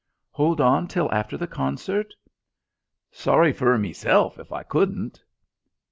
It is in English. " Hold on until after the concert?" "Sorry fur meself if I couldn't."